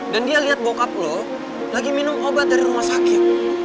dan dia lihat bokap lo lagi minum obat dari rumah sakit